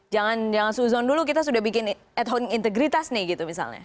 jangan seuzon dulu kita sudah bikin at home integritas nih gitu misalnya